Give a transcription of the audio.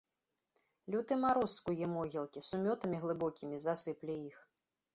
Люты мароз скуе могілкі, сумётамі глыбокімі засыпле іх.